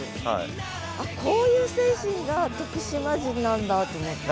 こういう精神が徳島人なんだと思って。